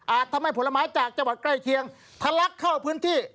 อาจทำให้ผลไม้จากจัวร์ใกล้เคียงทลักเข้าถึงพื้นที่